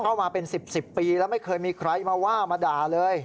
เข้ามาเป็น๑๐ปีแล้วไม่เคยมีใครมาว่ามาด่าเลย